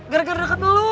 gara gara deket lo